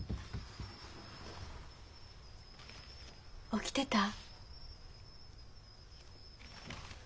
起きてた？